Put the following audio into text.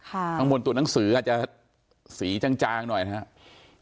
ข้างบนตัวหนังสืออาจจะสีจางหน่อยนะครับ